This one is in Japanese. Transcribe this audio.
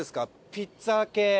ピッツァ系。